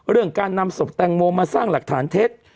เรื่องการนำศพแตงโมมาสร้างหลักฐานเท็จ